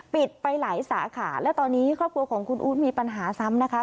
ไปหลายสาขาและตอนนี้ครอบครัวของคุณอู๊ดมีปัญหาซ้ำนะคะ